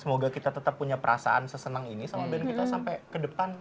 semoga kita tetep punya perasaan seseneng ini sama band kita sampe kedepan